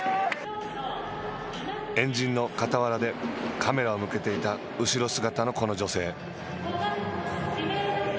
円陣の傍らでカメラを向けていた後ろ姿のこの女性。